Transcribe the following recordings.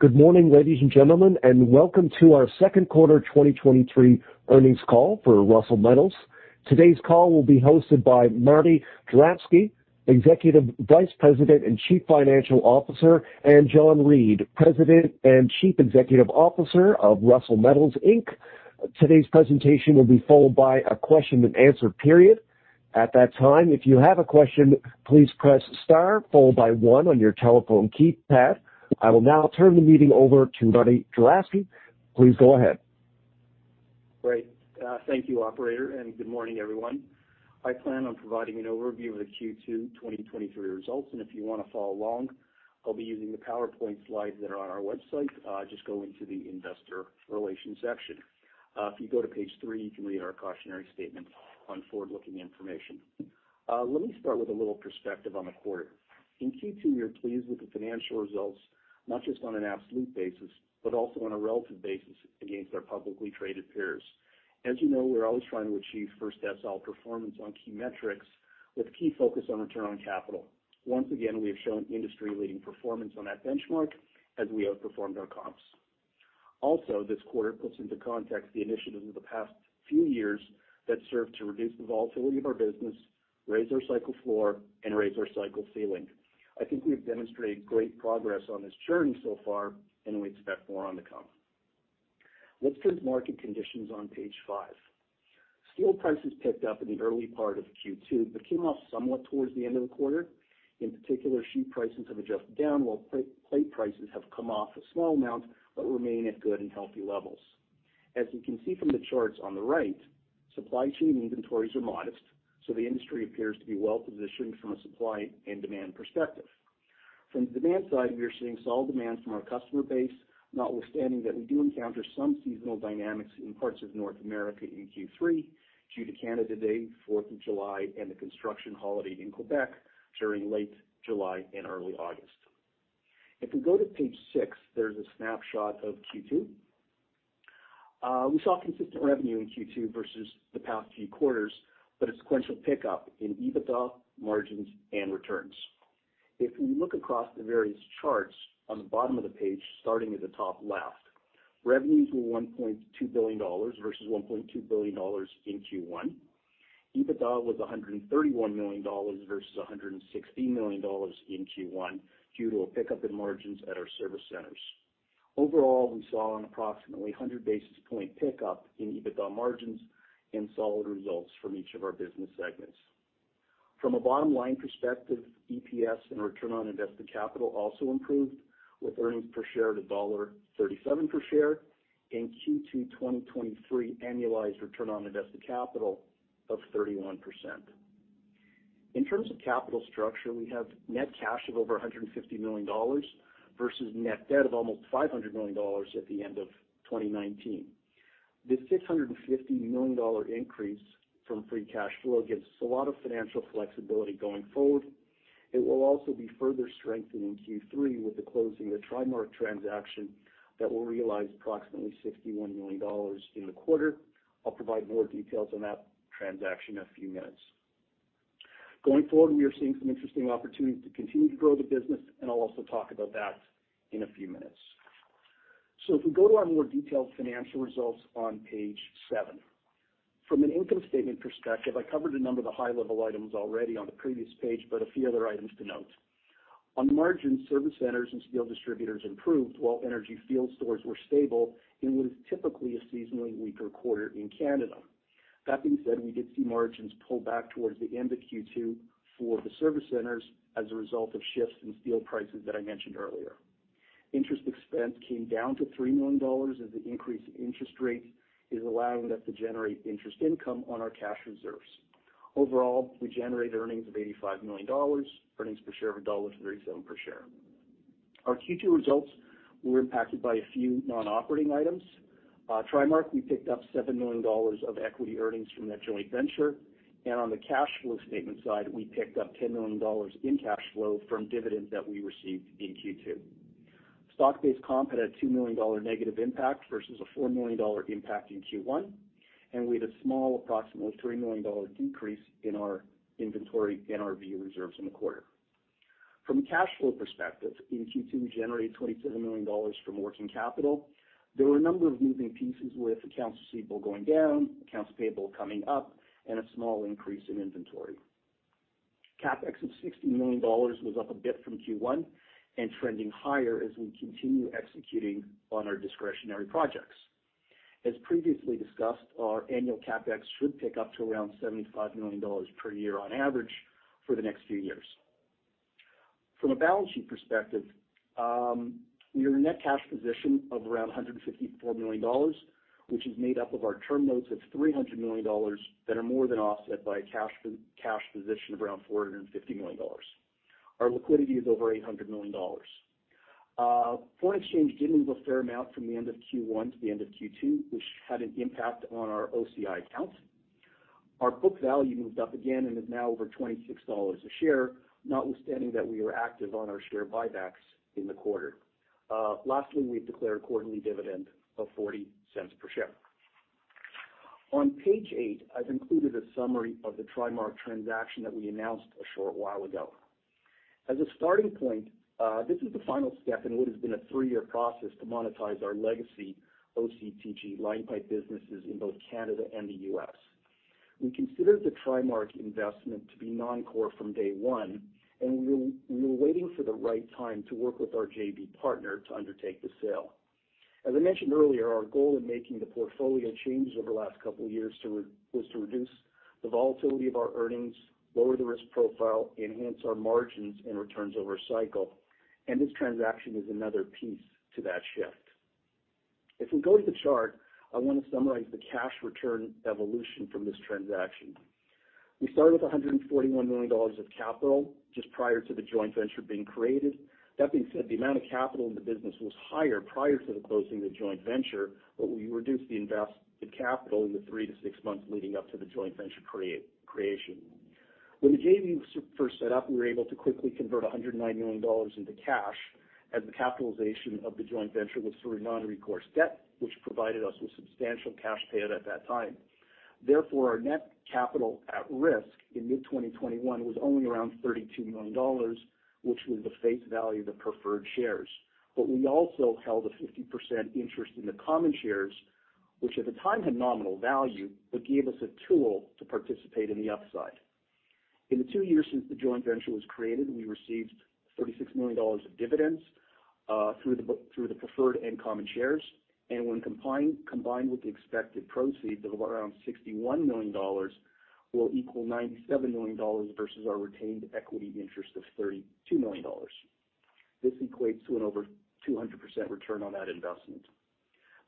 Good morning, ladies and gentlemen, welcome to our Q2 2023 earnings call for Russel Metals. Today's call will be hosted by Martin Juravsky, Executive Vice President and Chief Financial Officer, and John Reid, President and Chief Executive Officer of Russel Metals Inc. Today's presentation will be followed by a Q&A period. At that time, if you have a question, please press star followed by 1 on your telephone keypad. I will now turn the meeting over to Martin Juravsky. Please go ahead. Great. Thank you, operator, and good morning, everyone. I plan on providing an overview of the Q2 2023 results, and if you want to follow along, I'll be using the PowerPoint slides that are on our website. Just go into the investor relations section. If you go to page 3, you can read our cautionary statement on forward-looking information. Let me start with a little perspective on the quarter. In Q2, we are pleased with the financial results, not just on an absolute basis, but also on a relative basis against our publicly traded peers. As you know, we're always trying to achieve first SL performance on key metrics with key focus on return on capital. Once again, we have shown industry-leading performance on that benchmark as we outperformed our comps. Also, this quarter puts into context the initiatives of the past few years that served to reduce the volatility of our business, raise our cycle floor, and raise our cycle ceiling. I think we have demonstrated great progress on this journey so far, and we expect more on to come. Let's turn to market conditions on page 5. Steel prices picked up in the early part of Q2, but came off somewhat towards the end of the quarter. In particular, sheet prices have adjusted down, while plate prices have come off a small amount but remain at good and healthy levels. As you can see from the charts on the right, supply chain inventories are modest, so the industry appears to be well positioned from a supply and demand perspective. From the demand side, we are seeing solid demand from our customer base, notwithstanding that we do encounter some seasonal dynamics in parts of North America in Q3 due to Canada Day, Fourth of July, and the construction holiday in Quebec during late July and early August. If we go to page 6, there's a snapshot of Q2. We saw consistent revenue in Q2 versus the past few quarters, but a sequential pickup in EBITDA, margins, and returns. If we look across the various charts on the bottom of the page, starting at the top left, revenues were 1.2 billion dollars versus 1.2 billion dollars in Q1. EBITDA was 131 million dollars versus 160 million dollars in Q1, due to a pickup in margins at our service centers. Overall, we saw an approximately 100 basis point pickup in EBITDA margins and solid results from each of our business segments. From a bottom-line perspective, EPS and return on invested capital also improved, with earnings per share at dollar 1.37 per share in Q2 2023 annualized return on invested capital of 31%. In terms of capital structure, we have net cash of over 150 million dollars versus net debt of almost 500 million dollars at the end of 2019. This 650 million dollar increase from free cash flow gives us a lot of financial flexibility going forward. It will also be further strengthened in Q3 with the closing of the TriMark transaction that will realize approximately 61 million dollars in the quarter. I'll provide more details on that transaction in a few minutes. Going forward, we are seeing some interesting opportunities to continue to grow the business, and I'll also talk about that in a few minutes. If we go to our more detailed financial results on page 7. From an income statement perspective, I covered a number of the high-level items already on the previous page, a few other items to note. On margins, service centers and steel distributors improved, while energy field stores were stable in what is typically a seasonally weaker quarter in Canada. That being said, we did see margins pull back towards the end of Q2 for the service centers as a result of shifts in steel prices that I mentioned earlier. Interest expense came down to 3 million dollars, as the increase in interest rates is allowing us to generate interest income on our cash reserves. Overall, we generated earnings of 85 million dollars, earnings per share of 1.37 dollar per share. Our Q2 results were impacted by a few non-operating items. TriMark, we picked up 7 million dollars of equity earnings from that joint venture, and on the cash flow statement side, we picked up 10 million dollars in cash flow from dividends that we received in Q2. Stock-based comp had a 2 million dollar negative impact versus a 4 million dollar impact in Q1, and we had a small, approximately 3 million dollar decrease in our inventory and RB reserves in the quarter. From a cash flow perspective, in Q2, we generated 27 million dollars from working capital. There were a number of moving pieces, with accounts receivable going down, accounts payable coming up, and a small increase in inventory. CapEx of 60 million dollars was up a bit from Q1 and trending higher as we continue executing on our discretionary projects. As previously discussed, our annual CapEx should pick up to around 75 million dollars per year on average for the next few years. From a balance sheet perspective, we are in a net cash position of around 154 million dollars, which is made up of our term notes of 300 million dollars that are more than offset by a cash position of around 450 million dollars. Our liquidity is over 800 million dollars. Foreign exchange did move a fair amount from the end of Q1 to the end of Q2, which had an impact on our OCI account. Our book value moved up again and is now over 26 dollars a share, notwithstanding that we were active on our share buybacks in the quarter. Lastly, we've declared a quarterly dividend of 0.40 per share. On page 8, I've included a summary of the TriMark transaction that we announced a short while ago. As a starting point, this is the final step in what has been a three-year process to monetize our legacy OCTG line pipe businesses in both Canada and the U.S. We considered the TriMark investment to be non-core from day one. We were waiting for the right time to work with our JV partner to undertake the sale. As I mentioned earlier, our goal in making the portfolio changes over the last couple of years was to reduce the volatility of our earnings, lower the risk profile, enhance our margins and returns over a cycle, and this transaction is another piece to that shift. If we go to the chart, I want to summarize the cash return evolution from this transaction. We started with $141 million of capital just prior to the joint venture being created. That being said, the amount of capital in the business was higher prior to the closing of the joint venture, but we reduced the capital in the three to six months leading up to the joint venture creation. When the JV was first set up, we were able to quickly convert 190 million dollars into cash, as the capitalization of the joint venture was through non-recourse debt, which provided us with substantial cash payout at that time. Therefore, our net capital at risk in mid-2021 was only around 32 million dollars, which was the face value of the preferred shares. We also held a 50% interest in the common shares, which at the time had nominal value, but gave us a tool to participate in the upside. In the two years since the joint venture was created, we received 36 million dollars of dividends through the preferred and common shares, and when combined with the expected proceeds of around 61 million dollars, will equal 97 million dollars versus our retained equity interest of 32 million dollars. This equates to an over 200% return on that investment.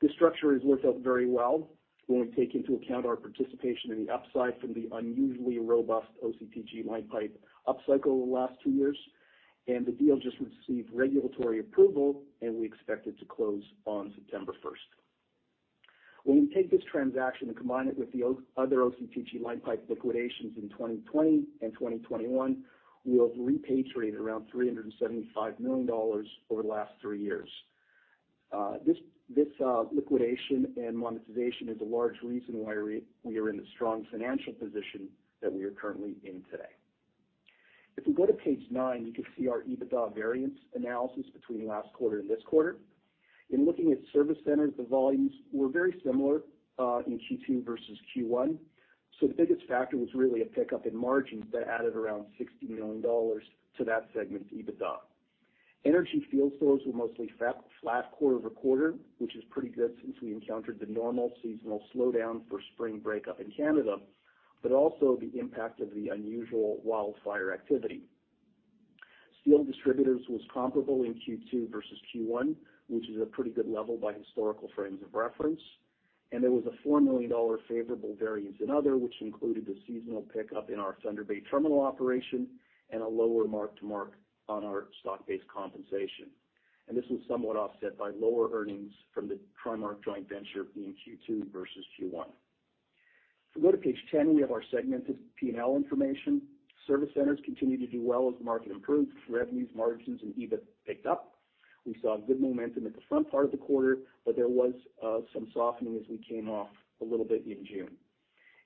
This structure has worked out very well when we take into account our participation in the upside from the unusually robust OCTG line pipe upcycle over the last two years. The deal just received regulatory approval, and we expect it to close on September 1st. When we take this transaction and combine it with the other OCTG line pipe liquidations in 2020 and 2021, we have repatriated around 375 million dollars over the last three years. This liquidation and monetization is a large reason why we are in the strong financial position that we are currently in today. If we go to page nine, you can see our EBITDA variance analysis between last quarter and this quarter. In looking at service centers, the volumes were very similar in Q2 versus Q1, so the biggest factor was really a pickup in margins that added around 60 million dollars to that segment's EBITDA. Energy field stores were mostly flat quarter-over-quarter, which is pretty good since we encountered the normal seasonal slowdown for spring break-up in Canada, but also the impact of the unusual wildfire activity. Steel distributors was comparable in Q2 versus Q1, which is a pretty good level by historical frames of reference. There was a 4 million dollar favorable variance in other, which included a seasonal pickup in our Thunder Bay terminal operation and a lower mark-to-mark on our stock-based compensation. This was somewhat offset by lower earnings from the TriMark joint venture in Q2 versus Q1. If we go to page 10, we have our segmented P&L information. Service centers continue to do well as the market improves. Revenues, margins, and EBIT picked up. We saw good momentum at the front part of the quarter, there was some softening as we came off a little bit in June.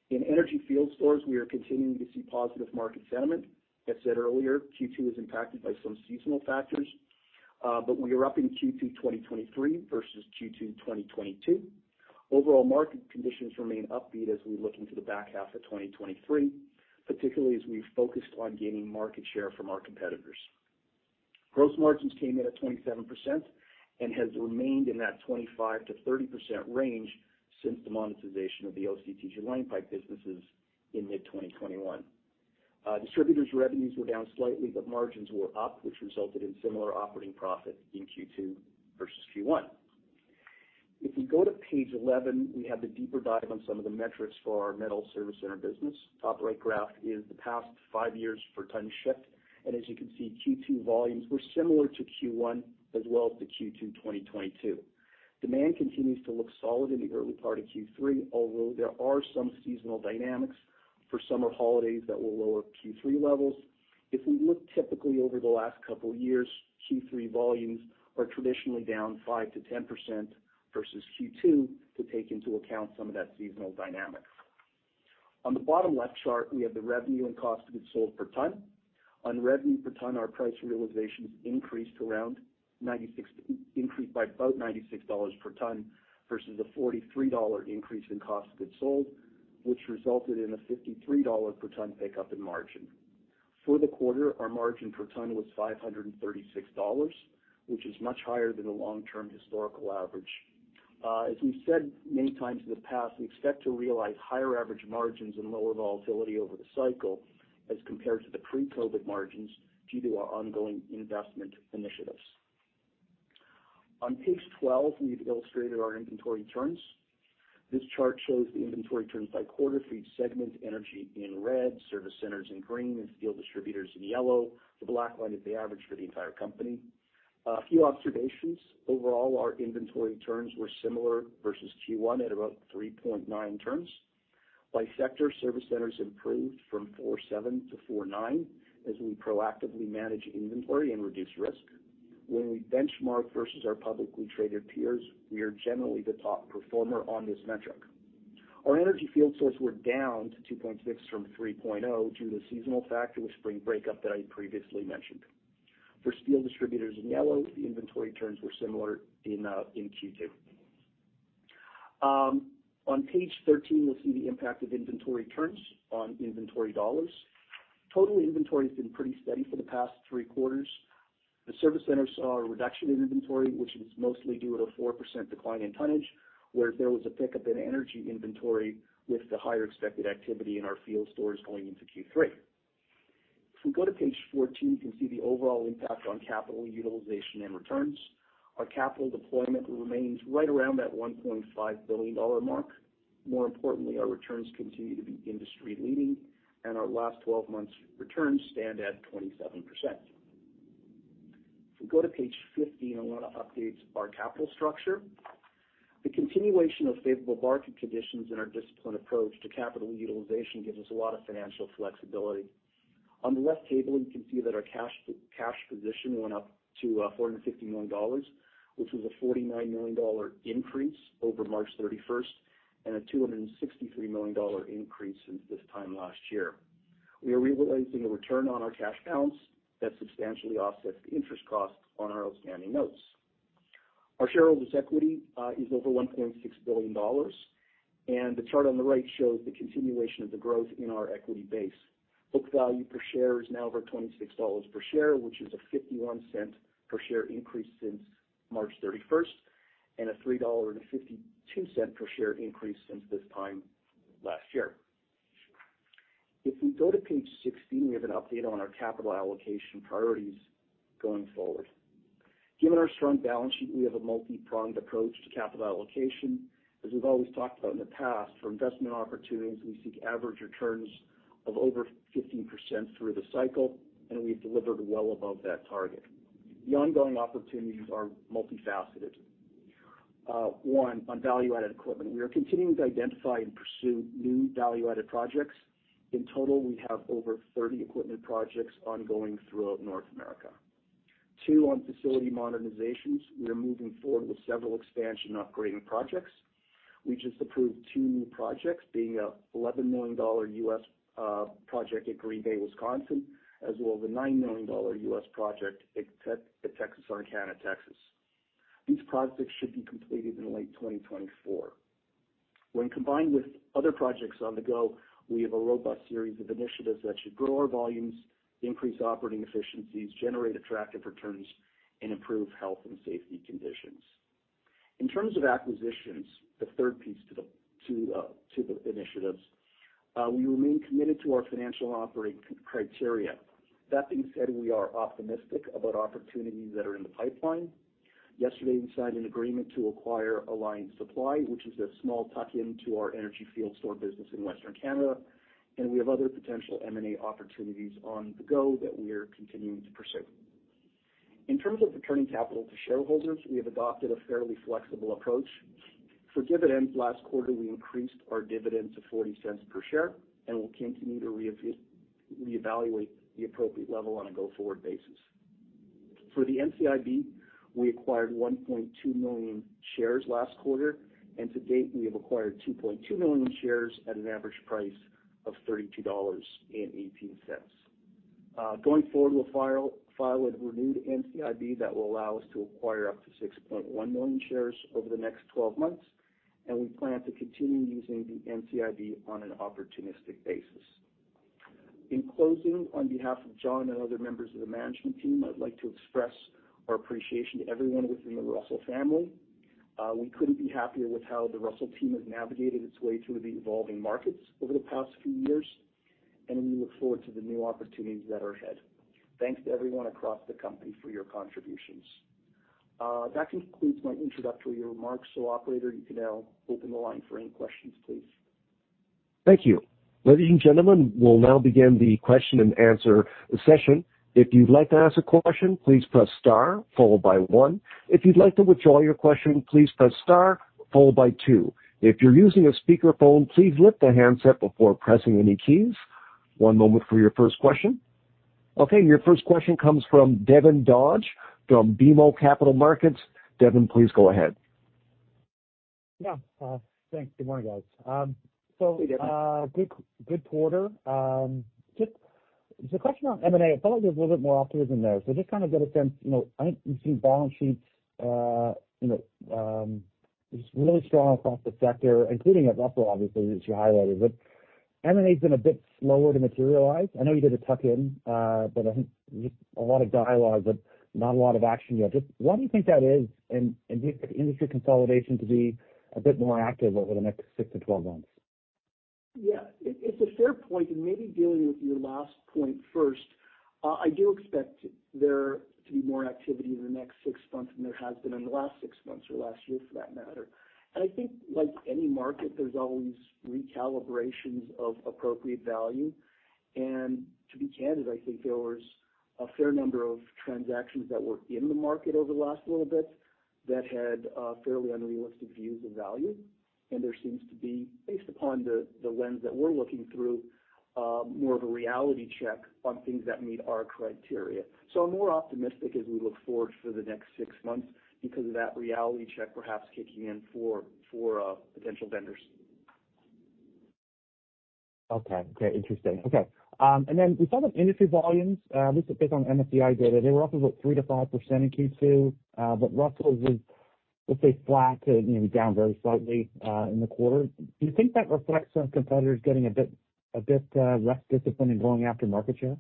In energy field stores, we are continuing to see positive market sentiment. As said earlier, Q2 is impacted by some seasonal factors, we are up in Q2 2023 versus Q2 2022. Overall market conditions remain upbeat as we look into the back half of 2023, particularly as we've focused on gaining market share from our competitors. Gross margins came in at 27% and has remained in that 25%-30% range since the monetization of the OCTG line pipe businesses in mid-2021. Distributors' revenues were down slightly, margins were up, which resulted in similar operating profit in Q2 versus Q1. If we go to page 11, we have the deeper dive on some of the metrics for our metals service center business. Top right graph is the past five years for tons shipped, and as you can see, Q2 volumes were similar to Q1 as well as to Q2 2022. Demand continues to look solid in the early part of Q3, although there are some seasonal dynamics for summer holidays that will lower Q3 levels. If we look typically over the last couple of years, Q3 volumes are traditionally down 5%-10% versus Q2, to take into account some of that seasonal dynamic. On the bottom left chart, we have the revenue and cost of goods sold per ton. On revenue per ton, our price realizations increased by about 96 dollars per ton versus a 43 dollar increase in cost of goods sold, which resulted in a 53 dollar per ton pickup in margin. For the quarter, our margin per ton was 536 dollars, which is much higher than the long-term historical average. As we've said many times in the past, we expect to realize higher average margins and lower volatility over the cycle as compared to the pre-COVID margins due to our ongoing investment initiatives. On page 12, we've illustrated our inventory turns. This chart shows the inventory turns by quarter for each segment, energy in red, service centers in green, and steel distributors in yellow. The black line is the average for the entire company. A few observations. Overall, our inventory turns were similar versus Q1 at about 3.9 turns. By sector, service centers improved from 4.7 to 4.9, as we proactively manage inventory and reduce risk. When we benchmark versus our publicly traded peers, we are generally the top performer on this metric. Our energy field stores were down to 2.6 from 3.0 due to the seasonal factor with spring breakup that I previously mentioned. For steel distributors in yellow, the inventory turns were similar in Q2. On page 13, you'll see the impact of inventory turns on inventory dollars. Total inventory has been pretty steady for the past three quarters. The service center saw a reduction in inventory, which is mostly due to a 4% decline in tonnage, whereas there was a pickup in energy inventory with the higher expected activity in our field stores going into Q3. If we go to page 14, you can see the overall impact on capital utilization and returns. Our capital deployment remains right around that 1.5 billion dollar mark. More importantly, our returns continue to be industry-leading, and our last 12 months returns stand at 27%. If we go to page 15, I want to update our capital structure. The continuation of favorable market conditions and our disciplined approach to capital utilization gives us a lot of financial flexibility. On the left table, you can see that our cash position went up to 450 million dollars, which is a 49 million dollar increase over March 31st and a 263 million dollar increase since this time last year. We are realizing a return on our cash balance that substantially offsets the interest costs on our outstanding notes. Our shareholders' equity is over 1.6 billion dollars, and the chart on the right shows the continuation of the growth in our equity base. Book value per share is now over 26 dollars per share, which is a 0.51 per share increase since March 31st, and a 3.52 dollar per share increase since this time last year. If we go to page 16, we have an update on our capital allocation priorities going forward. Given our strong balance sheet, we have a multi-pronged approach to capital allocation. As we've always talked about in the past, for investment opportunities, we seek average returns of over 15% through the cycle, and we've delivered well above that target. The ongoing opportunities are multi-faceted. One, on value-added equipment, we are continuing to identify and pursue new value-added projects. In total, we have over 30 equipment projects ongoing throughout North America. Two, on facility modernizations, we are moving forward with several expansion upgrading projects. We just approved two new projects, being an 11 million dollar project in Green Bay, Wisconsin, as well as a 9 million dollar project at Texarkana, Texas. These projects should be completed in late 2024. When combined with other projects on the go, we have a robust series of initiatives that should grow our volumes, increase operating efficiencies, generate attractive returns, and improve health and safety conditions. In terms of acquisitions, the third piece to the initiatives, we remain committed to our financial operating criteria. That being said, we are optimistic about opportunities that are in the pipeline. Yesterday, we signed an agreement to acquire Alliance Supply, which is a small tuck-in to our energy field store business in Western Canada, and we have other potential M&A opportunities on the go that we are continuing to pursue. In terms of returning capital to shareholders, we have adopted a fairly flexible approach. For dividends, last quarter, we increased our dividend to 0.40 per share, and we'll continue to reevaluate the appropriate level on a go-forward basis. For the NCIB, we acquired 1.2 million shares last quarter. To date, we have acquired 2.2 million shares at an average price of 32.18 dollars. Going forward, we'll file a renewed NCIB that will allow us to acquire up to 6.1 million shares over the next 12 months. We plan to continue using the NCIB on an opportunistic basis. In closing, on behalf of John and other members of the management team, I'd like to express our appreciation to everyone within the Russel family. We couldn't be happier with how the Russel team has navigated its way through the evolving markets over the past few years. We look forward to the new opportunities that are ahead. Thanks to everyone across the company for your contributions. That concludes my introductory remarks. Operator, you can now open the line for any questions, please. Thank you. Ladies and gentlemen, we'll now begin the Q&A session. as a question on M&A, I felt like there was a little bit more optimism there. Just to kind of get a sense, you know, I think we've seen balance sheets, you know, just really strong across the sector, including at Russel, obviously, as you highlighted. M&A has been a bit slower to materialize. I know you did a tuck-in, but I think just a lot of dialogue, but not a lot of action yet. Just why do you think that is? Do you expect industry consolidation to be a bit more active over the next six-12 months? Yeah, it's a fair point, and maybe dealing with your last point first. I do expect there to be more activity in the next six months than there has been in the last six months or last year, for that matter. I think like any market, there's always recalibrations of appropriate value. To be candid, I think there was a fair number of transactions that were in the market over the last little bit that had fairly unrealistic views of value. There seems to be, based upon the lens that we're looking through, more of a reality check on things that meet our criteria. I'm more optimistic as we look forward for the next 6 months because of that reality check perhaps kicking in for potential vendors. Okay. Great, interesting. Okay. We saw that industry volumes, at least based on MSCI data, they were up about 3%-5% in Q2, but Russel was, let's say, flat to, maybe down very slightly, in the quarter. Do you think that reflects on competitors getting a bit less disciplined in going after market share?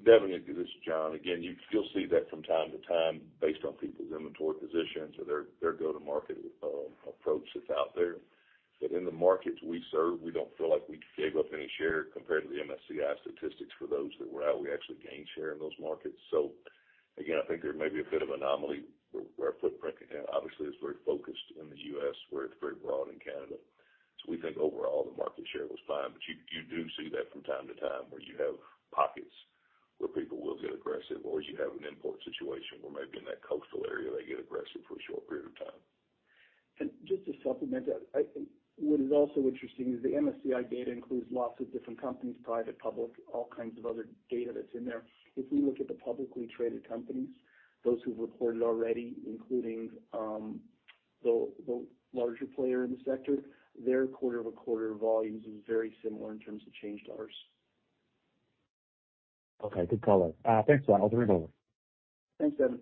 Definitely. This is John. Again, you'll see that from time to time based on people's inventory positions or, their go-to-market approach that's out there. But in the markets we serve, we don't feel like we gave up any share compared to the MSCI statistics for those that were out. We actually gained share in those markets. Again, I think there may be a bit of anomaly where our footprint obviously is very focused in the U.S., where it's very broad in Canada. We think overall the market share was fine, but you do see that from time to time, where you have pockets where people will get aggressive, or as you have an import situation where maybe in that coastal area, they get aggressive for a short period of time. Just to supplement that, I think what is also interesting is the MSCI data includes lots of different companies, private, public, all kinds of other data that's in there. If we look at the publicly traded companies, those who've reported already, including the larger player in the sector, their quarter-over-quarter volumes is very similar in terms of change to ours. Okay. Good call out. Thanks, John. I'll turn it over. Thanks, Devin.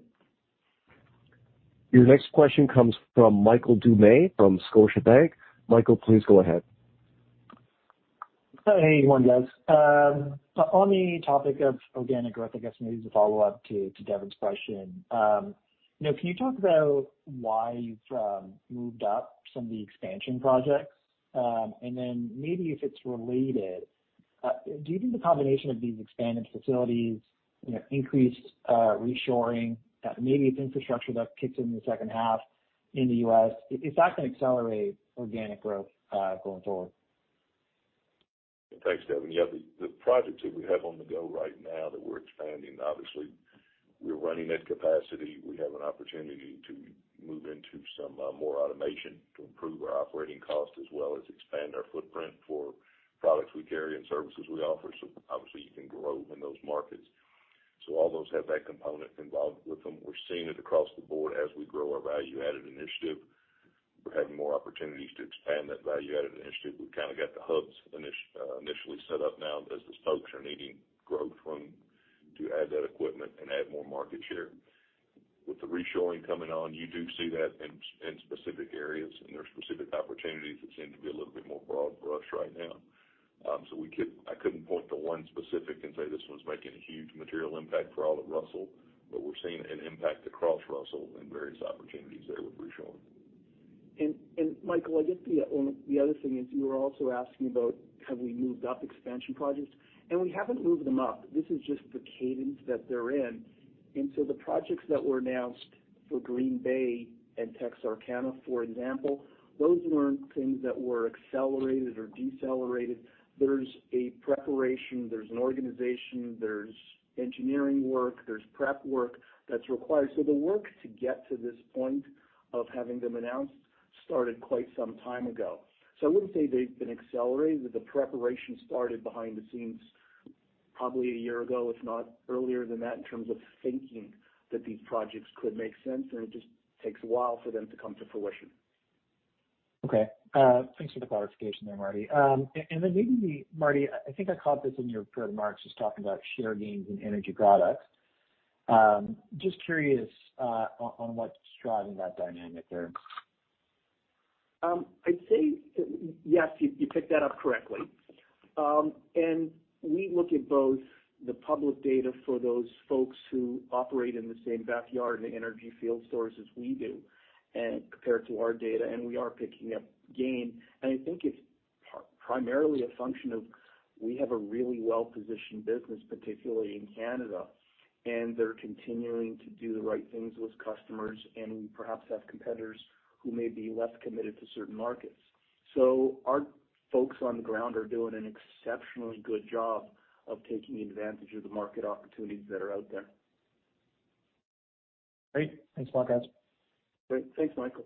Your next question comes from Michael Doumet from Scotiabank. Michael, please go ahead. Hey, good morning, guys. On the topic of organic growth, I guess maybe as a follow-up to Devin's question, you know, can you talk about why you've moved up some of the expansion projects? Maybe if it's related, do you think the combination of these expanded facilities, you know, increased, reshoring, maybe it's infrastructure that kicks in in the second half in the U.S., is that gonna accelerate organic growth, going forward? Thanks, Devin. The projects that we have on the go right now that we're expanding, obviously, we're running at capacity. We have an opportunity to move into some more automation to improve our operating cost, as well as expand our footprint for products we carry and services we offer. Obviously, you can grow in those markets. All those have that component involved with them. We're seeing it across the board as we grow our value-added initiative. We're having more opportunities to expand that value-added initiative. We've kind of got the hubs initially set up now, as the spokes are needing growth from, to add that equipment and add more market share. With the reshoring coming on, you do see that in specific areas, and there are specific opportunities that seem to be a little bit more broad for us right now. I couldn't point to one specific and say, this one's making a huge material impact for all of Russel, but we're seeing an impact across Russel and various opportunities there with reshoring. Michael, I guess the other thing is, you were also asking about, have we moved up expansion projects? We haven't moved them up. This is just the cadence that they're in. The projects that were announced for Green Bay and Texarkana, for example, those weren't things that were accelerated or decelerated. There's a preparation, there's an organization, there's engineering work, there's prep work that's required. The work to get to this point of having them announced started quite some time ago. I wouldn't say they've been accelerated, but the preparation started behind the scenes probably a year ago, if not earlier than that, in terms of thinking that these projects could make sense, and it just takes a while for them to come to fruition. Okay. Thanks for the clarification there, Marty. Then maybe, Marty, I think I caught this in your prepared remarks, just talking about share gains in energy products. Just curious, on what's driving that dynamic there? I'd say, yes, you picked that up correctly. We look at both the public data for those folks who operate in the same backyard in the energy field stores as we do, and compare it to our data, and we are picking up gain. I think it's primarily a function of we have a really well-positioned business, particularly in Canada, and they're continuing to do the right things with customers, and we perhaps have competitors who may be less committed to certain markets. Our folks on the ground are doing an exceptionally good job of taking advantage of the market opportunities that are out there. Great. Thanks a lot, guys. Great. Thanks, Michael.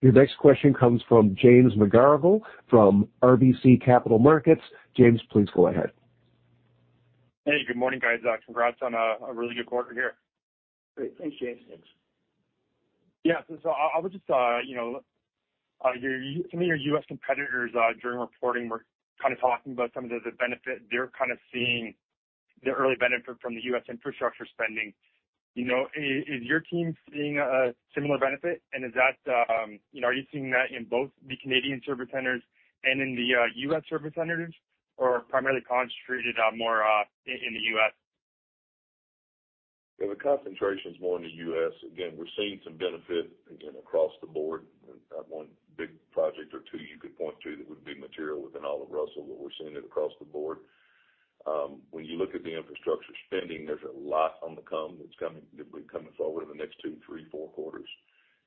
Your next question comes from James McGarragle, from RBC Capital Markets. James, please go ahead. Hey, good morning, guys. Congrats on a really good quarter here. Great. Thanks, James. Thanks. Yeah, so I was just, you know, some of your U.S. competitors, during reporting, were kind of talking about some of the benefit. They're kind of seeing the early benefit from the U.S. infrastructure spending. You know, is, is your team seeing a similar benefit? Is that, you know, are you seeing that in both the Canadian service centers and in the U.S. service centers, or primarily concentrated, more, in the U.S.? Yeah, the concentration is more in the U.S. Again, we're seeing some benefit, again, across the board. I have one big project, or two you could point to that would be material seeing it across the board. When you look at the infrastructure spending, there's a lot on the come that's coming, that will be coming forward in the next two, three, four quarters.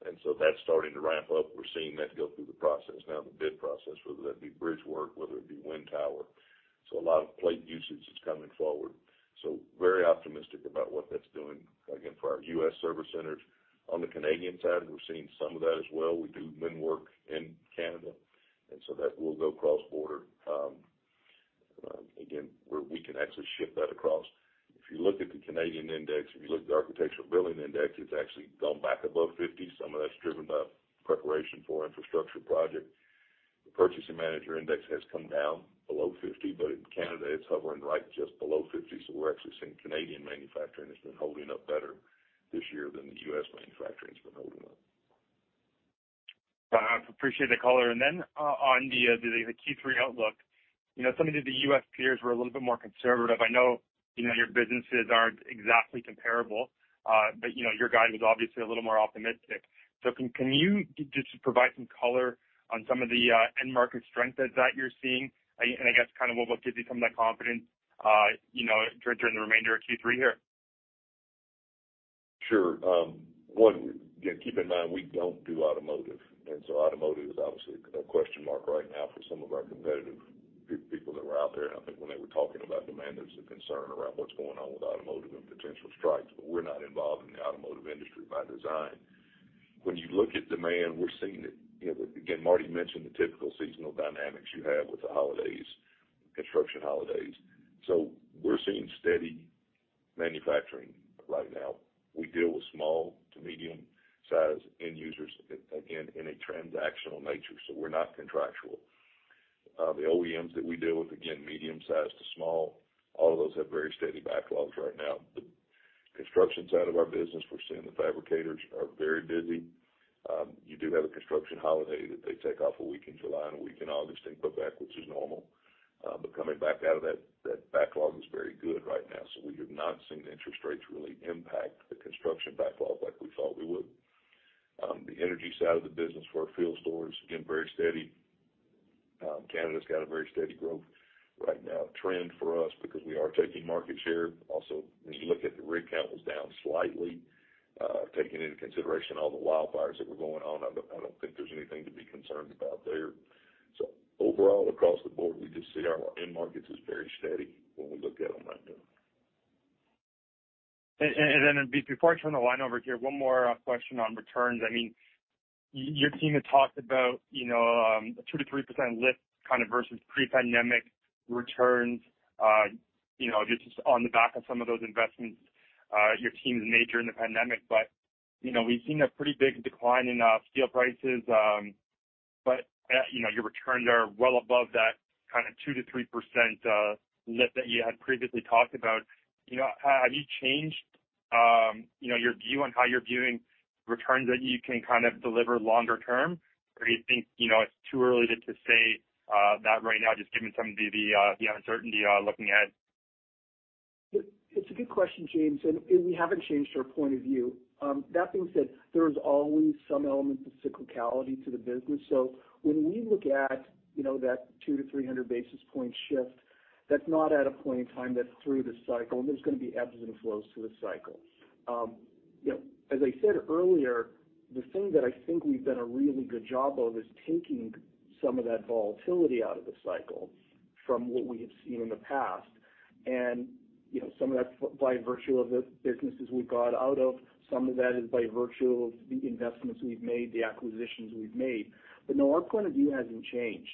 That's starting to ramp up. We're seeing that go through the process now, the bid process, whether that be bridge work, whether it be wind tower. A lot of plate usage is coming forward. Very optimistic about what that's doing, again, for our US service centers. On the Canadian side, we're seeing some of that as well. We do wind work in Canada, and so that will go cross-border. Again, where we can actually ship that across. If you look at the Canadian index, if you look at the Architecture Billings Index, it's actually gone back above 50. Some of that's driven by preparation for infrastructure project. The Purchasing Managers' Index has come down below 50, but in Canada, it's hovering right just below 50. We're actually seeing Canadian manufacturing has been holding up better this year than the U.S. manufacturing has been holding up. I appreciate the color. Then, on the Q3 outlook, you know, some of the U.S. peers were a little bit more conservative. I know, you know, your businesses aren't exactly comparable, but, you know, your guide was obviously a little more optimistic. Can you just provide some color on some of the end market strength that you're seeing? I guess kind of what gives you some of that confidence, you know, during the remainder of Q3 here? Sure. One, again, keep in mind, we don't do automotive is obviously a question mark right now for some of our competitive people that were out there. When they were talking about demand, there's a concern around what's going on with automotive and potential strikes, but we're not involved in the automotive industry by design. When you look at demand, we're seeing it, you know, again, Marty mentioned the typical seasonal dynamics you have with the holidays, construction holidays. We're seeing steady manufacturing right now. We deal with small to medium-sized end users, again, in a transactional nature, so we're not contractual. The OEMs that we deal with, again, medium-sized to small, all of those have very steady backlogs right now. The construction side of our business, we're seeing the fabricators are very busy. You do have a construction holiday that they take off one week in July and one week in August, they put back, which is normal. Coming back out of that, that backlog is very good right now, so we have not seen the interest rates really impact the construction backlog like we thought we would. The energy side of the business for our field stores, again, very steady. Canada's got a very steady growth right now. Trend for us, because we are taking market share. Also, when you look at the rig count was down slightly, taking into consideration all the wildfires that were going on, I don't think there's anything to be concerned about there. Overall, across the board, we just see our end markets as very steady when we look at them right now. Before I turn the line over here, one more question on returns. I mean, your team had talked about, you know, a 2%-3% lift kind of versus pre-pandemic returns, you know, just on the back of some of those investments your team's made during the pandemic. You know, we've seen a pretty big decline in steel prices, but, you know, your returns are well above that kind of 2%-3% lift that you had previously talked about. You know, have you changed, you know, your view on how you're viewing returns that you can kind of deliver longer term? Or do you think, you know, it's too early to say that right now, just given some of the, the uncertainty looking ahead? It's a good question, James, we haven't changed our point of view. That being said, there is always some element of cyclicality to the business. When we look at, you know, that 200-300 basis point shift, that's not at a point in time, that's through the cycle, and there's going to be ebbs and flows to a cycle. You know, as I said earlier, the thing that I think we've done a really good job of is taking some of that volatility out of the cycle from what we have seen in the past. You know, some of that's by virtue of the businesses we've got out of, some of that is by virtue of the investments we've made, the acquisitions we've made. No, our point of view hasn't changed.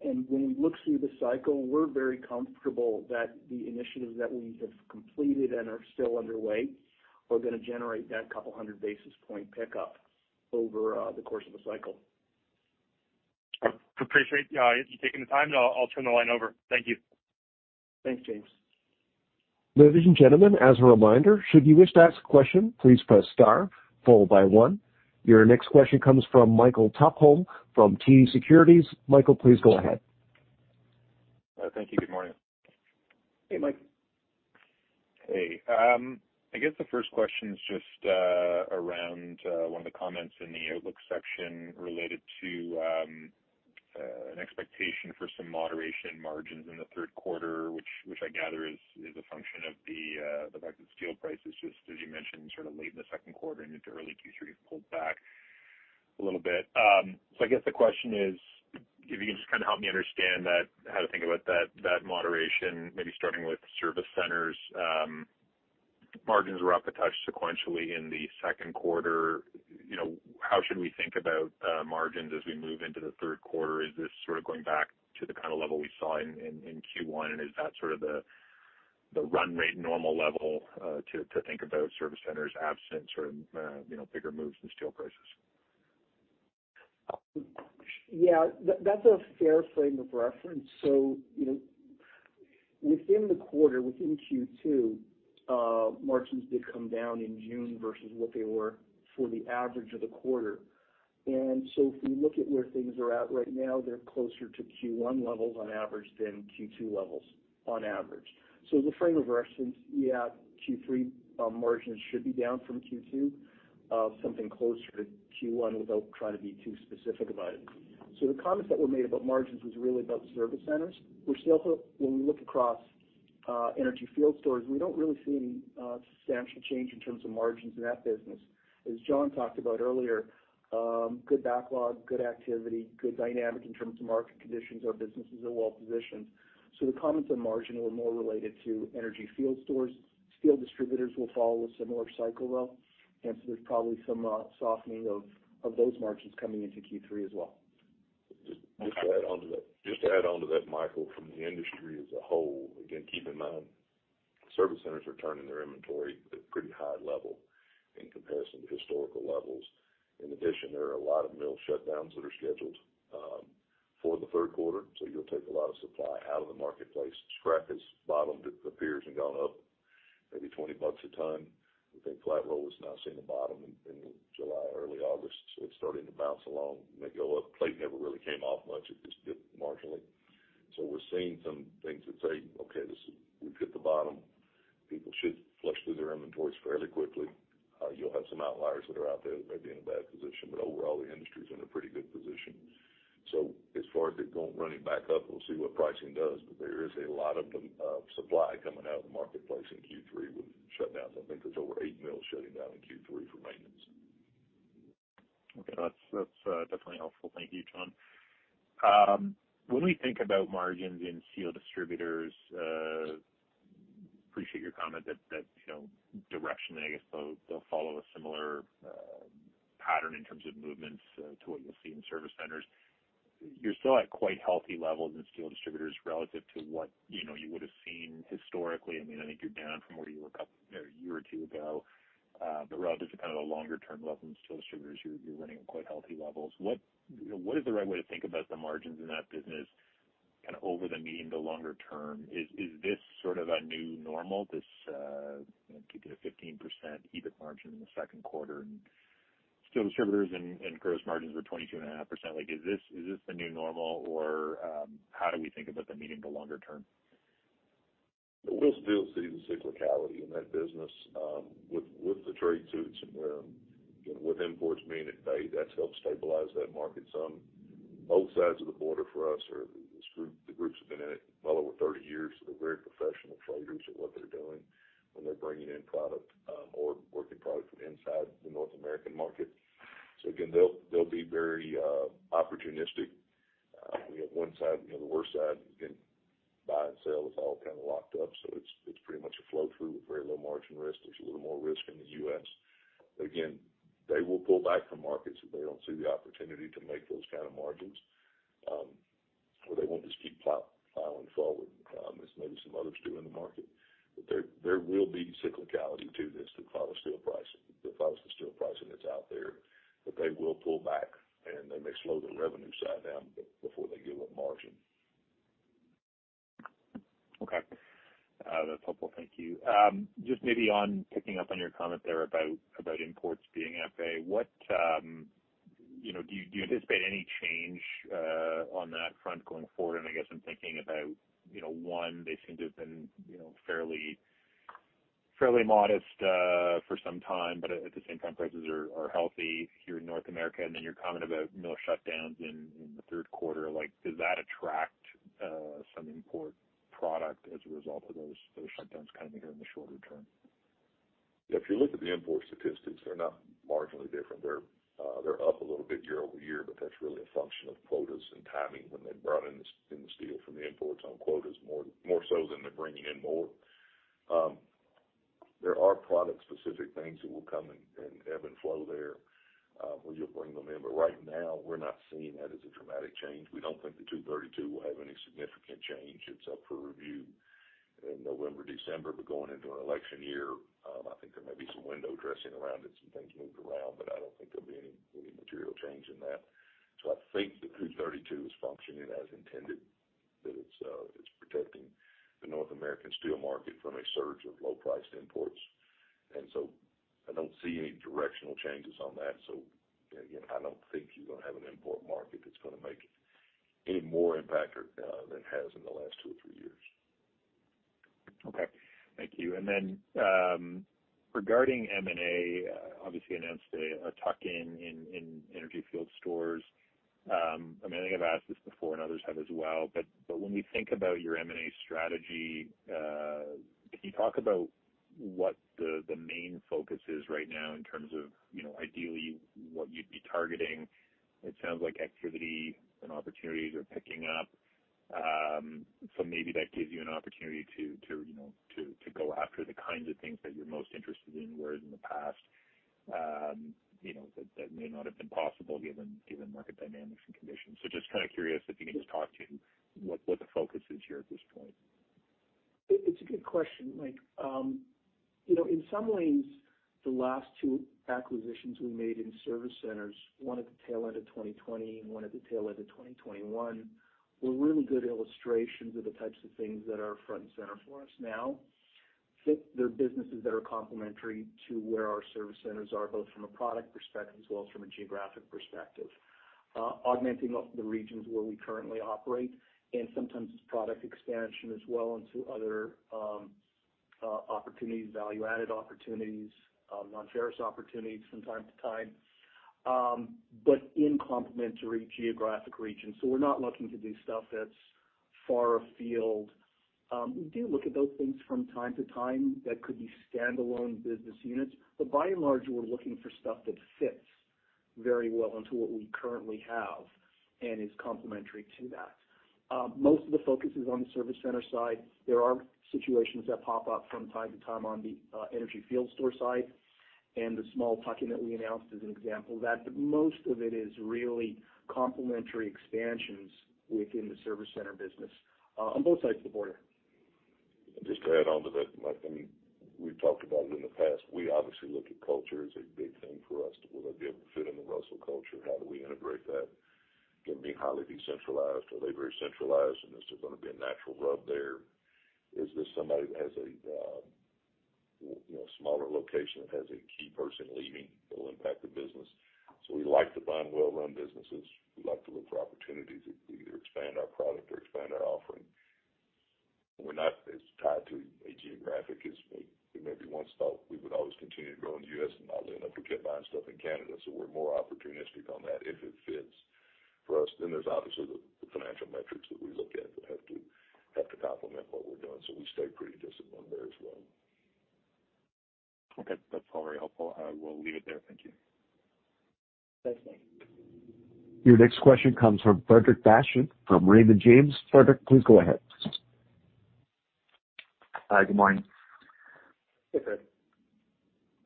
When we look through the cycle, we're very comfortable that the initiatives that we have completed and are still underway are gonna generate that couple hundred basis point pickup over the course of the cycle. Appreciate, you taking the time. I'll turn the line over. Thank you. Thanks, James. Ladies and gentlemen, as a reminder, should you wish to ask a question, please press star followed by one. Your next question comes from Michael Tupholme from TD Securities. Michael, please go ahead. Thank you. Good morning. Hey, Mike. Hey. I guess the first question is just around one of the comments in the outlook section related to an expectation for some moderation in margins in the Q3, which, which I gather is, is a function of the fact that steel prices, just as you mentioned, sort of late in the Q2 and into early Q3, have pulled back a little bit. I guess the question is, if you can just kind of help me understand that, how to think about that, that moderation, maybe starting with service centers. Margins were up a touch sequentially in the Q2. You know, how should we think about margins as we move into the Q3? Is this sort of going back to the kind of level we saw in Q1? Is that sort of the, the run rate normal level, to think about service centers absent sort of, you know, bigger moves in steel prices? Yeah, that's a fair frame of reference. You know, within the quarter, within Q2, margins did come down in June versus what they were for the average of the quarter. If we look at where things are at right now, they're closer to Q1 levels on average than Q2 levels on average. As a frame of reference, yeah, Q3, margins should be down from Q2, something closer to Q1, without trying to be too specific about it. The comments that were made about margins was really about the service centers. We're still, when we look across energy field stores, we don't really see any, substantial change in terms of margins in that business. As John talked about earlier, good backlog, good activity, good dynamic in terms of market conditions. Our business is well positioned. The comments on margin were more related to energy field stores. Steel distributors will follow a similar cycle though, there's probably some softening of those margins coming into Q3 as well. Just to add on to that, Michael, from the industry as a whole, again, keep in mind, service centers are turning their inventory at pretty high level in comparison to historical levels. In addition, there are a lot of mill shutdowns that are scheduled for the Q3, so you'll take a lot of supply out of the marketplace. Scrap has bottomed, it appears, and gone up maybe 20 bucks a ton. I think flat-rolled steel has now seen the bottom in July, early August, so it's starting to bounce along, maybe go up. Plate never really came off much. It just dipped marginally. We're seeing some things that say, "Okay, this is, we've hit the bottom." People should flush through their inventories fairly quickly. You'll have some outliers that are out there that may be in a bad position, but overall, the industry is in a pretty good position. As far as it going, running back up, we'll see what pricing does, but there is a lot of the supply coming out of the marketplace in Q3 with shutdowns. I think there's over 8 mills shutting down in Q3 for maintenance. Okay, that's definitely helpful. Thank you, John. When we think about margins in steel distributors, appreciate your comment that, you know, directionally, I guess, they'll follow a similar pattern in terms of movements to what you'll see in service centers. You're still at quite healthy levels in steel distributors relative to what, you know, you would have seen historically. I mean, I think you're down from where you were, you know, a year or two ago. But relative to kind of the longer-term levels in steel distributors, you're running at quite healthy levels. What, what is the right way to think about the margins in that business kind of over the medium to longer term? Is this sort of a new normal, this, you know, 15% EBIT margin in the Q2, and steel distributors and, and gross margins are 22.5%? Like, is this the new normal, or, how do we think about the medium to longer term? We'll still see the cyclicality in that business, with the trade suits and where, you know, with imports being at bay, that's helped stabilize that market some. Both sides of the border for us are. This group, the groups have been in it well over 30 years. They're very professional traders at what they're doing when they're bringing in product, or working product inside the North American market. Again, they'll, they'll be very opportunistic. We have one side, you know, the worst side, you can buy and sell. It's all kind of locked up, so it's pretty much a flow through with very low margin risk. There's a little more risk in the U.S. They will pull back from markets if they don't see the opportunity to make those kind of margins, or they won't just keep plowing forward, as maybe some others do in the market. There will be cyclicality to this, to follow steel pricing, to follow the steel pricing that's out there, that they will pull back, and they may slow the revenue side down before they give up margin. Okay. That's helpful. Thank you. Just maybe on picking up on your comment there about imports being at bay, what—you know, do you, do you anticipate any change on that front going forward? I guess I'm thinking about, you know, one, they seem to have been, you know, fairly, fairly modest for some time, but at the same time, prices are, are healthy here in North America, and then your comment about mill shutdowns in, in the Q3. Like, does that attract some import product as a result of those shutdowns, kind of, in the shorter term? If you look at the import statistics, they're not marginally different. They're up a little bit year-over-year, but that's really a function of quotas and timing when they brought in the steel from the imports on quotas, more so than they're bringing in more. There are product-specific things that will come and ebb and flow there, where you'll bring them in. Right now, we're not seeing that as a dramatic change. We don't think the Section 232 will have any significant change. It's up for review in November, December, going into an election year, I think there may be some window dressing around it, some things moved around, but I don't think there'll be any material change in that. I think the Section 232 is functioning as intended, that it's protecting the North American steel market from a surge of low-priced imports. I don't see any directional changes on that. Again, I don't think you're gonna have an import market that's gonna make any more impact or than it has in the last two or three years. Okay. Thank you. Then, regarding M&A, obviously you announced a tuck-in in, in energy field stores. I mean, I think I've asked this before and others have as well, but, but when we think about your M&A strategy, can you talk about what the, the main focus is right now in terms of, you know, ideally what you'd be targeting? It sounds like activity and opportunities are picking up. Maybe that gives you an opportunity to, to, you know, to, to go after the kinds of things that you're most interested in, whereas in the past, you know, that, that may not have been possible given, given market dynamics and conditions. Just kind of curious if you could just talk to what the focus is here at this point. It's a good question, Mike. You know, in some ways, the last two acquisitions we made in service centers, one at the tail end of 2020 and one at the tail end of 2021, were really good illustrations of the types of things that are front and center for us now. Fit the businesses that are complementary to where our service centers are, both from a product perspective as well as from a geographic perspective. Augmenting the regions where we currently operate, and sometimes it's product expansion as well into other opportunities, value-added opportunities, non-ferrous opportunities from time to time, but in complementary geographic regions. We're not looking to do stuff that's far afield. We do look at those things from time to time that could be standalone business units, but by and large, we're looking for stuff that fits very well into what we currently have and is complementary to that. Most of the focus is on the service center side. There are situations that pop up from time to time on the energy field store side, and the small tuck-in that we announced is an example of that. Most of it is really complementary expansions within the service center business on both sides of the border. Just to add on to that, Mike, I mean, we've talked about it in the past. We obviously look at culture as a big thing for us. Will they be able to fit in the Russel culture? How do we integrate that? Can be highly decentralized, are they very centralized? Is there gonna be a natural rub there? Is this somebody that has a, you know, smaller location, that has a key person leaving that will impact the business? We like to find well-run businesses. We like to look for opportunities to either expand our product or expand our offering. We're not as tied to a geographic as we maybe once thought. We would always continue to grow in the U.S., and lo and behold, we kept buying stuff in Canada, so we're more opportunistic on that if it fits for us. There's obviously the, the financial metrics that we look at that have to complement what we're doing, so we stay pretty disciplined there as well. Okay, that's all very helpful. I will leave it there. Thank you. Thanks, Mike. Your next question comes from Frederic Bastien from Raymond James. Frederic, please go ahead. Hi, good morning. Hey, Fred.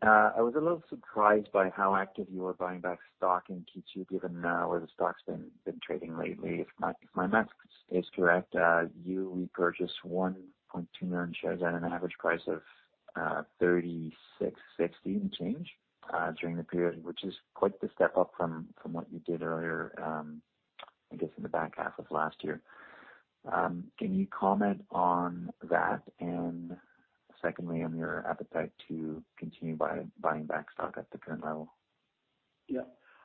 I was a little surprised by how active you are buying back stock in Q2, given where the stock's been, been trading lately. If my math is correct, you repurchased 1.2 million shares at an average price of 36.60 and change during the period, which is quite the step up from what you did earlier in the back half of last year. Can you comment on that? Secondly, on your appetite to continue buying back stock at the current level? Yeah.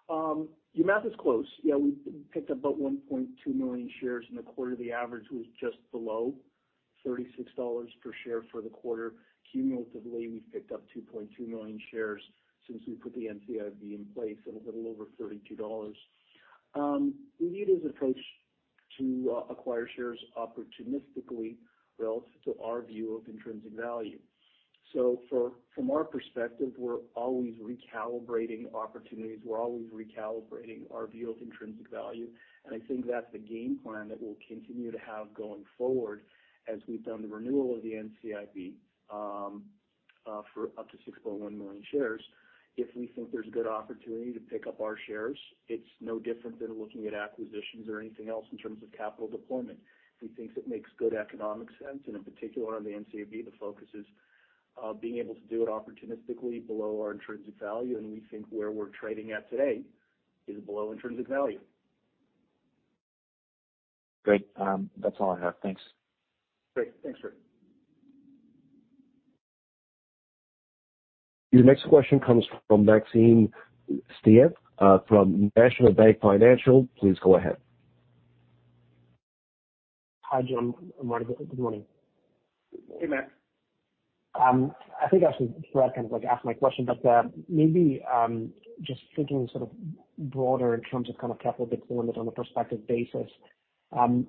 Your math is close. Yeah, we picked up about 1.2 million shares in the quarter. The average was just below 36 dollars per share for the quarter. Cumulatively, we've picked up 2.2 million shares since we put the NCIB in place at a little over 32 dollars. We need is approach to acquire shares opportunistically relative to our view of intrinsic value. From our perspective, we're always recalibrating opportunities. We're always recalibrating our view of intrinsic value, and I think that's the game plan that we'll continue to have going forward as we've done the renewal of the NCIB for up to 6.1 million shares. If we think there's a good opportunity to pick up our shares, it's no different than looking at acquisitions or anything else in terms of capital deployment. We think it makes good economic sense, and in particular, on the NCIB, the focus is being able to do it opportunistically below our intrinsic value, and we think where we're trading at today is below intrinsic value. Great. That's all I have. Thanks. Great. Thanks, Fred. Your next question comes from Maxim Sytchev, from National Bank Financial. Please go ahead. Hi, Jim. Marty, good morning. Hey, Matt. I think I actually kind of like asked my question, but maybe just thinking sort of broader in terms of kind of capital deployment on a prospective basis,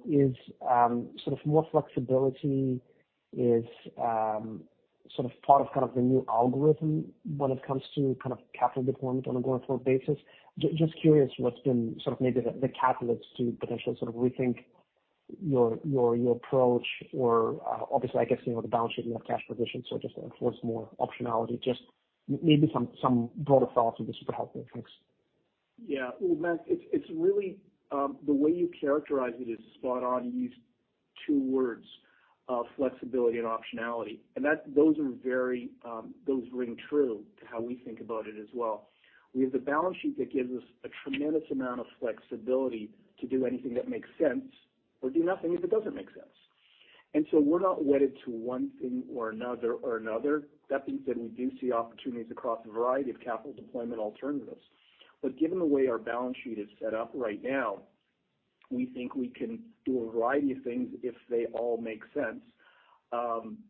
is sort of more flexibility is sort of part of kind of the new algorithm when it comes to kind of capital deployment on a going-forward basis? Just curious what's been sort of maybe the catalyst to potentially sort of rethink your approach or obviously, I guess, you know, the balance sheet and your cash position, so just enforce more optionality. Just maybe some broader thoughts would be super helpful. Thanks. Yeah. Well, Matt, it's, it's really, the way you characterize it is spot on. You use two words, flexibility and optionality, and those are very, those ring true to how we think about it as well. We have the balance sheet that gives us a tremendous amount of flexibility to do anything that makes sense or do nothing if it doesn't make sense. We're not wedded to one thing or another. That being said, we do see opportunities across a variety of capital deployment alternatives. Given the way our balance sheet is set up right now, we think we can do a variety of things if they all make sense.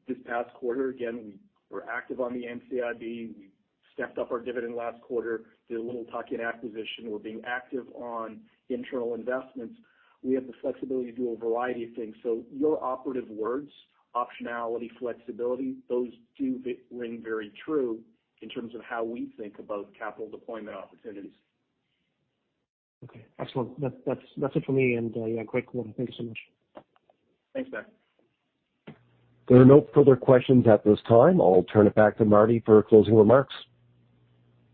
This past quarter, again, we were active on the NCIB. We stepped up our dividend last quarter, did a little tuck-in acquisition. We're being active on internal investments. We have the flexibility to do a variety of things. Your operative words, optionality, flexibility, those do ring very true in terms of how we think about capital deployment opportunities. Okay, excellent. That's it for me. Yeah, great quarter. Thank you so much. Thanks, Matt. There are no further questions at this time. I'll turn it back to Marty for closing remarks.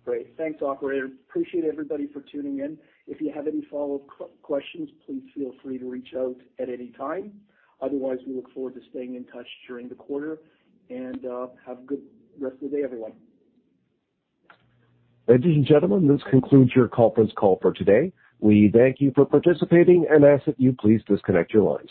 Great. Thanks, operator. Appreciate everybody for tuning in. If you have any follow-up questions, please feel free to reach out at any time. Otherwise, we look forward to staying in touch during the quarter, and have a good rest of the day, everyone. Ladies and gentlemen, this concludes your conference call for today. We thank you for participating and ask that you please disconnect your lines.